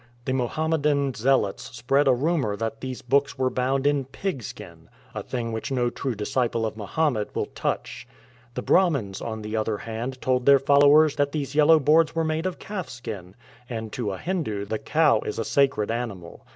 The Mohammedan zealots spread a rumour that these books were bound in pig skin — a thing which no true disciple of Maliomet will touch. The Brahmans, on the other hand, told their followers that these yellow boards were made of calf skin — and to a Hindu the cow is a sacred animal.